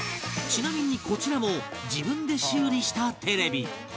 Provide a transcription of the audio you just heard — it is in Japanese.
ちなみに、こちらも自分で修理したテレビ